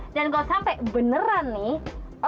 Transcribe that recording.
dan kalau sampai beneran nih